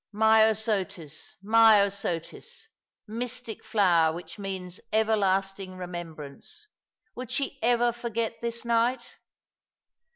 Myosotis, myosotis — mystic flower which means everlasting remembrance ! Would she ever forget this night